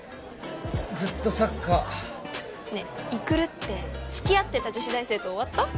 ずっとサッカーねえ育ってつきあってた女子大生と終わった？